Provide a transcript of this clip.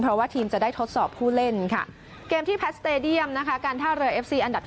เพราะว่าทีมจะได้ทดสอบผู้เล่นค่ะเกมที่แพทย์สเตดียมนะคะการท่าเรือเอฟซีอันดับที่